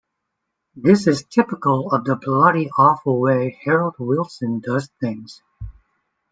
This is typical of the bloody awful way Harold Wilson does things!